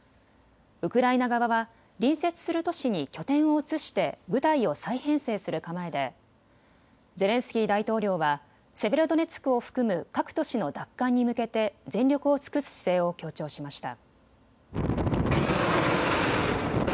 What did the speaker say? ウクライナ側は隣接する都市に拠点を移して部隊を再編成する構えでゼレンスキー大統領はセベロドネツクを含む各都市の奪還に向けて全力を尽くす姿勢を強調しました。